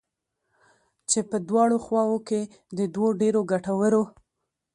چې په دواړو خواوو كې د دوو ډېرو گټورو